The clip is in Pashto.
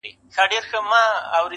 o څنگه بيلتون كي گراني شعر وليكم.